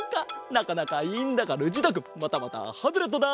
なかなかいいんだがルチータくんまたまたハズレットだ！